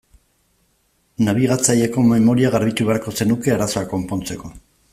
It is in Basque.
Nabigatzaileko memoria garbitu beharko zenuke arazoa konpontzeko.